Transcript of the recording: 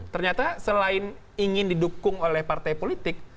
ternyata selain ingin didukung oleh partai politik